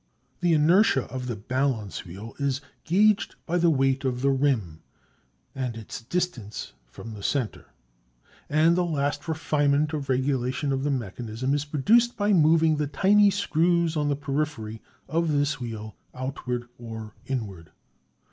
The inertia of the balance wheel is gauged by the weight of the rim and its distance from the center; and the last refinement of regulation of the mechanism is produced by moving the tiny screws on the periphery of this wheel outward or inward.